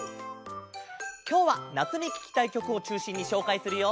きょうは夏にききたいきょくをちゅうしんにしょうかいするよ。